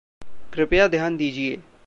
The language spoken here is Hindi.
कृपया ध्यान दीजिए।